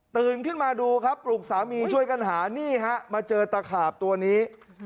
ขึ้นมาดูครับปลุกสามีช่วยกันหานี่ฮะมาเจอตะขาบตัวนี้